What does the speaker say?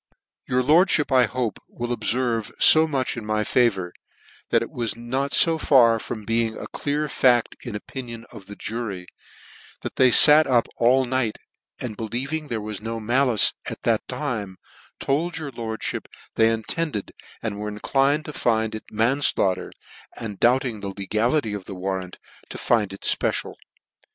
" Your lordfhip, I hope, will obferve fo much in my favour, that it was fo far from being a clear fact in the opinion of the jury, that they fat up all night, and believing there was no malice at that time, told your lordfhip they intended, and were inclined to find it manslaughter, and, doflbt ing the legality of the warrant, to find it fpecial.